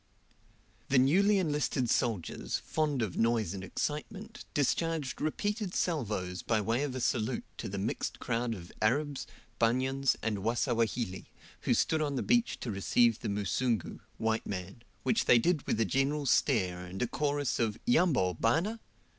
The newly enlisted soldiers, fond of noise and excitement, discharged repeated salvos by way of a salute to the mixed crowd of Arabs, Banyans, and Wasawahili, who stood on the beach to receive the Musungu (white man), which they did with a general stare and a chorus of "Yambo, bana?"